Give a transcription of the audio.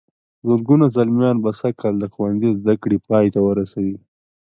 زرګونه زلميان به سږ کال د ښوونځي زدهکړې پای ته ورسوي.